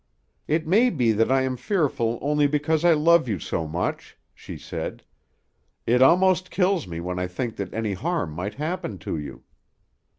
"It may be that I am fearful only because I love you so much," she said. "It almost kills me when I think that any harm might happen to you."